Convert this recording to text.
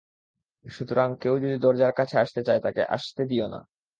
সুতরাং কেউ যদি দরজার কাছে আসতে চায় তাকে আসতে দিও না।